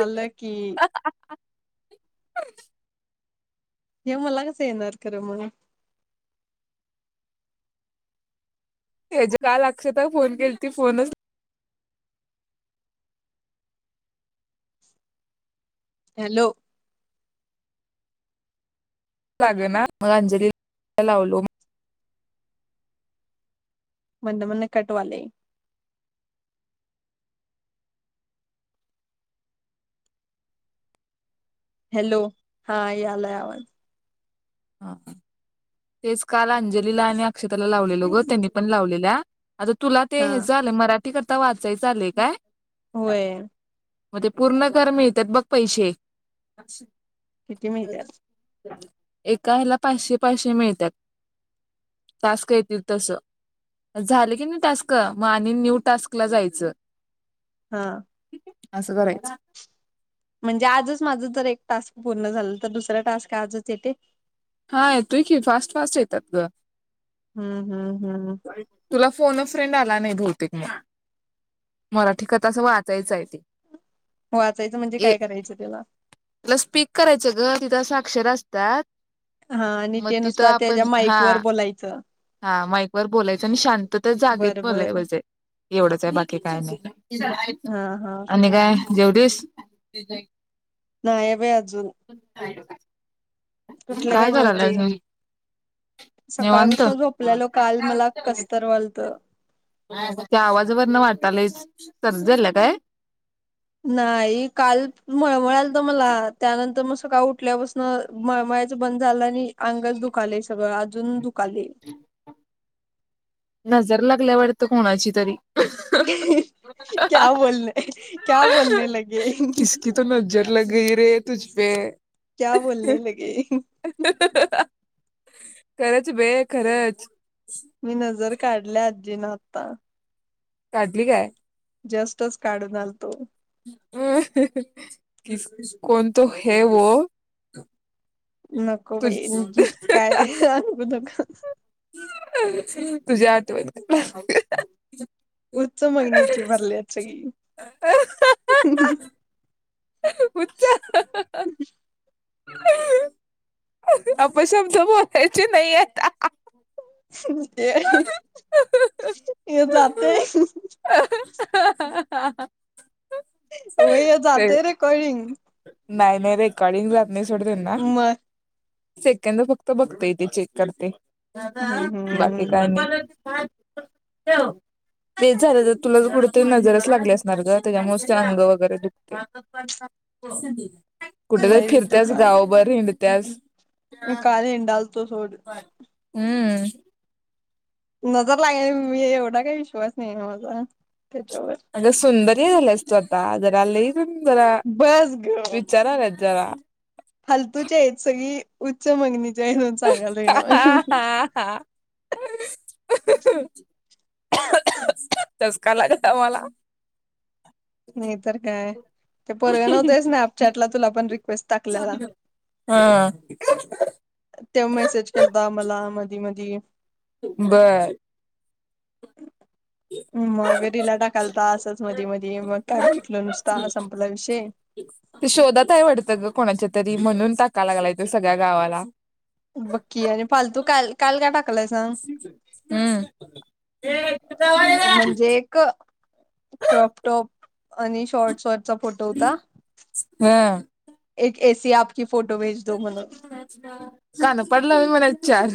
आल की, ते मला येणार मग खरं ‌म याची का अक्षदा फोन केलती फोनच हॅलो लागना मग अंजली [inaudible] ला लावलो. मदन मदन कट व्हायलाय. हॅलो, हा यायला आवाज हा तेच काल अंजलीला आणि अक्षताला लावलेल ग त्यांनी पण लावलेल्या आता तुला ते हा हे झालं मराठी कथा वाचायच आलय काय? होय मग ते पूर्ण कर मिळतात बघ पैसे किती मिळत्यात? एका हेला पाचशे, पाचशे मिळतात टास्क येथील तस, झाले की नाही टास्क आणि मग न्यू टास्क ला जायचं. हां आसं करायच. म्हणजे आजच माझं जर एक टास्क पूर्ण झालं, तर दुसरा टास्क आजच येतंय? हा येतोय कि फास्ट - फास्ट येतात ग हम्म हम्म हम्म तुला फोन फ्रेंड आला नाही भऊतेक मग मराठी कथा अस वाचायचं आहे ते वाचायचं म्हणजे ए काय करायचं तेला तिथ अस आक्षर असतात हा आणि मग ते तिथं नुसता आपण त्याच्या हा माईक वर बोलायचं हा माईक वर बोलायचं आणि शांततेत जागेत बर बोलाय बर पाहिजे एवढंच आहे बाकी काय नाही हा हा आणि काय जेवलीस नाही बाई अजून कुठल काय जेवतोय निवांत सकाळपासून झोपल्यालो काल मला कसतर वालतं त्या आवाजावरन वाटालंयच सर्दी आल्या काय नाही काल मळमळत त मला त्यानंतर सकाळी उठल्यापासून मळमळायचं बंद झालं आणि अंगच दुखालय सगळं अजून दुखलंय नजर लागल्या वाटतं कोणाची तरी क्या बोलणे, क्या बोलणे लगे किसकी तो नजर लग गई रे तुझपे क्या बोलणे लगे खरंच बे खरंच मी नजर काढल्या आजीनं आता काढली काय जस्टच काढून आलतो हम्म कोण तो हे ओ नको बाई जी काय आणू नको हम्म तुज्या आठवणी हम्म उच्च मागणीची भरल्यात सगळी हा हा उच्च हा हा अपशब्द बोलायची नाहीयेत हा हा हे जातय [unintelligible] व्हय हे जातय रेकॉर्डिंग नाही नाही रेकॉर्डिंग जात नाही सोड त्याना मग सेकंद फक्त बघतय ते चेक करतय हम्म हम्म बाकी हम्म काय आणि ते झालं तर तुला कुठतरी नजरच लागली असणार ग तेच्यामुळेच ते आंग वगैरे दुखतय [unintelligible] कुठ तर लईच फिरत्यास दुकान आहे. गावभर हिंडत्यास काल हिडालतो सोड हू नजर लागली मी एवढा काय विश्वास नाही आहे ग माझा त्याच्यावर अगं सुंदरी झाल्यास तूआता आ जरा लई जरा बस गप्प विचार आल्यात जरा फालतूच आहेत सगळी उच्च मगनी जय म्हणून सांगालोय नव्ह ठसका लागला मला नाही तर काय ते पोरग्यान ते स्नॅपचॅटला तुला पण रिक्वेस्ट टाकलेला हा तो मेसेज केलता मला मधी मधी बर मग ला टाकालता असच मधी मधी [unintelligible] संपला विषय तो शोधात हाय वाटतं ग कोणाच्या तरी म्हणून टाका लागलाय तो सगळ्या गावाला बकी आणि फालतू काल काल काय टाक हुं म्हणजे एक क्रॉपटॉप आणि शॉर्ट शॉर्ट चा फोटो होता एक एसी आप शहाणा पडला व्हय म्हणायचं चार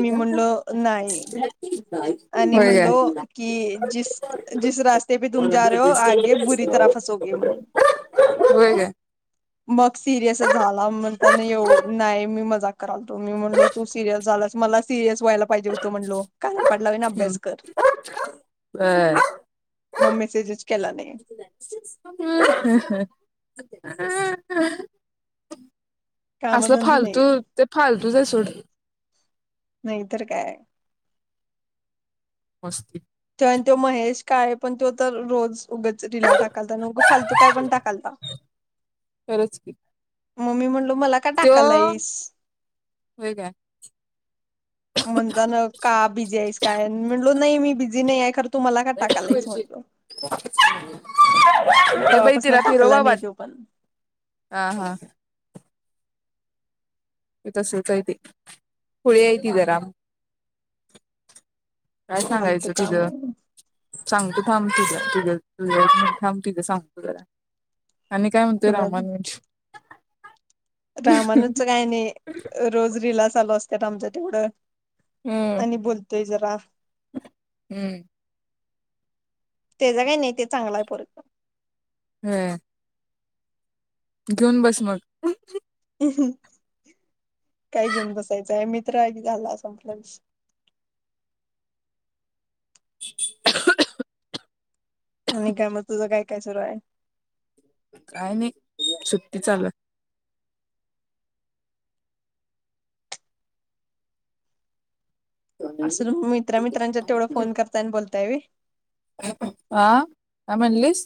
मी म्हणलो नाही आणि होय काय म्हणलो की जिस जिस रास्ते पे तुम जा रहे हो आगे बुरी तरह फसोगे म्हणून होय काय सिरयस झाला म्हणताना यो नाही मी मजाक कराल तो मी मी म्हणलो तू सिरियस झालास सिरियस व्हायला पाहिजे होत म्हणलो पाड लावीन हम्म अभ्यास कर होय. मग मेसेजेस केला नाही. [unintelligible] असल कामधंदा नाही फालतू ते फालतूच आहे सोड. नाहीतर काय. असतय. त्यो आणि तो महेश काळे पण त्यो तर रोज उगंच रिला टाकालता आणि उगं फालतू काय पण टाकालता. खरंच की. म मी म्हणलो मला का त्यो टाकालाईस. होय काय म्हणताना का बिझी आहेस काय म्हणलो नाहीं मी बिझी नाही आहे खर. ये बाई तेव्हापासून तिला फिरव टाकला बाबा नाही तो पण तसच आहे ते खुळी आहे ती जरा काय फालतू सांगायचं काम तिझं सांग तु. थांब तुझ तुझं तुझ थांब तिज सांग तू जरा आणि काय म्हणतोय रामानुज. रामानुज आणि रोज रीला चालू अस. त्यात आमच्यात एवढं हम्म आणि बोलतोय जरा. [unintelligible] हम्म. तेज काही नाही ते चांगलय पोरगं. हम्म. घेऊन बस मग. काय घेऊन बसायचं मित्र आहे झाला संपला विषय. [unintelligible] आणि काय मग तुझं काय काय सुरू हाय. काय नाही सुट्टी चालू हाय. असं तुम्ही मित्रा मित्रांच्यात तेवढं फोन करताय आणि बोलताय व्हय. हा [unintelligible] म्हनलीस.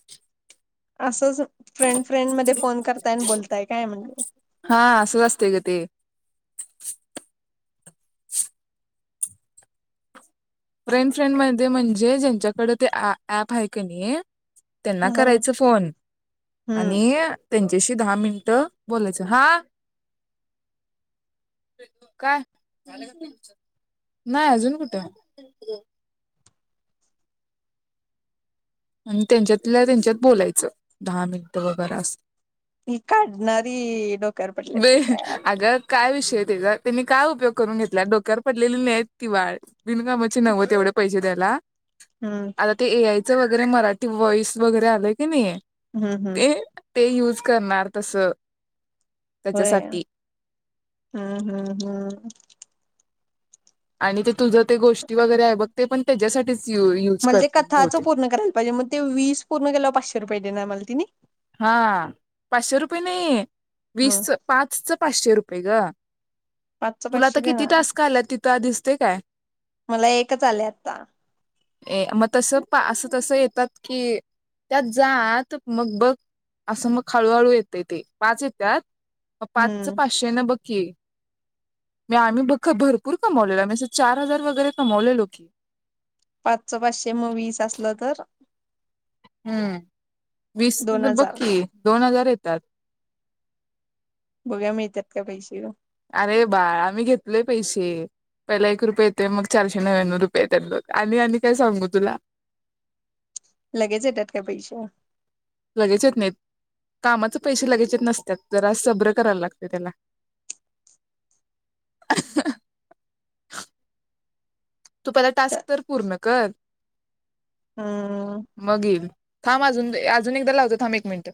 अससच. फ्रेंड फ्रेंड मध्ये फोन करताय आणि बोलताय काय म्हणल. हा असंच असते ग ते फ्रेंड फ्रेंड म म्हणजे ज्यांच्याकड ते आ ॲप आहे कणी त्यांना करायचं फोन हम्म आणि त्यांच्याशी दहा मिनिटं बोलायच. हा काय? नाही. अजून कुठ? [unintelligible] आणि त्यांच्यातला त्यांच्यात बोलायचं. दहा मिनिटं वगैर असं. ह काढणारी डोक्यावर पडल्यात बे की काय? अगं काय विषय त्यांनी काय उपयोग करून घेतला? डोक्यावर पडलेली नाहीत किंवा बिनकामाची नव्हत एवढे पैसे द्यायला. हम्म आता ते ए आय ते मराठी वॉइस वगैरे आलेय की नाहीये, हम्म हम्म ते ते युज करणार तसं. होय. त्याच्यासाठी हम्म हम्म हम्म. आणि ते तुझं ते गोष्टी वगैरे आहे बघ. ते पण त्याच्यासाठीच यू यूज मला ते करतील कथाचं बहुतेक पूर्ण करायला पाहिजे. म ते वीस पूर्ण केलं पाचशे रुपये देणार मला तिनी. हा. पाचशे रुपये नाही, मग वीसच पाचंच पाचशे रुपये पहि ग पाच चं तुला पाचशे आता किती देणार. टास्क आल्यात तिथं दिसते काय मला एकच आले आता. ए मग तस असं तसं येतात की? त्यात जात मग बघ. असं मग हळूहळू येतय ते. पाच येत्यात पाच चं हम्म पाचशे न बघ क म आम्ही ब भरपूर कमवलेलो. आम्ही अस चार हजार वगैरे कमवलेलो की. पाच चं पाचशे मग वीस असलं तर हम्म. वीस दोन बघ हजार की दोन हजार देतात. बघुया मिळतात का पैसे? अरे बाळ आम्ही घेतलय पैसे. पहिला एक रुपये येते मग चारशे नव्याण्णव रुपये येतात बघ. आणि आणि काय सांगू तुला? लगेच येतात का पैशै? लगेच येत नाही. कामाच पैसे लगेच येत नसतात. जरा सब्र करायला लागत त्याला. तू पला टास्क तर पूर्ण कर. हम्म मग ईल. थांब अजून, अजून एकदा लावतं थांब एक मिनिट.